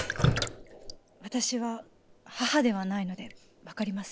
私は母ではないのでわかりません。